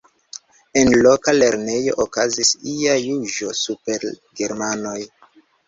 En loka lernejo okazis ia juĝo super germanoj.